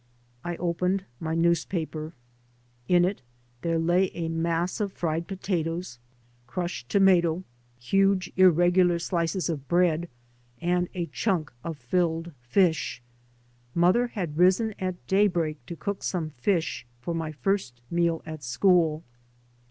I opened my newspaper. In it there lay a mass of fried potatoes, crushed tomato, 3 by Google MY MOTHER AND I huge, irregular slices of bread, and a chunk of filled tish. Mother had risen at daybreak to cook some fish for my first meal at school.